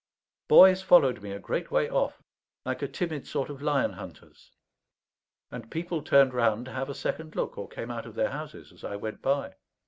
Boys followed me a great way off, like a timid sort of lion hunters; and people turned round to have a second look, or came out of their houses, as I went by.